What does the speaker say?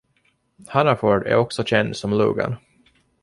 Hanaford är också känd som Logan.